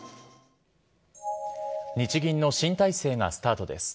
日銀の新体制がスタートです。